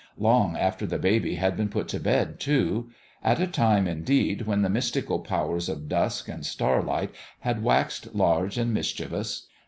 Long after the baby had been put to bed, too : at a time, in deed, when the mystical powers of dusk and starlight had waxed large and mischievous.